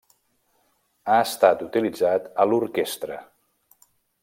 Ha estat utilitzat a l'orquestra.